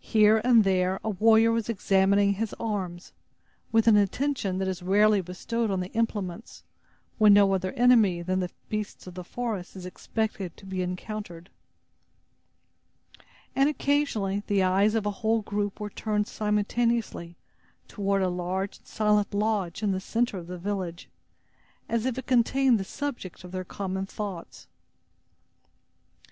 Here and there a warrior was examining his arms, with an attention that is rarely bestowed on the implements, when no other enemy than the beasts of the forest is expected to be encountered. And occasionally, the eyes of a whole group were turned simultaneously toward a large and silent lodge in the center of the village, as if it contained the subject of their common thoughts.